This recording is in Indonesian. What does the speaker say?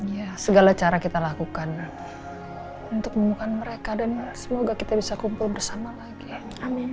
ya segala cara kita lakukan untuk menemukan mereka dan semoga kita bisa kumpul bersama lagi